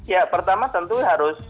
ya pertama tentu harus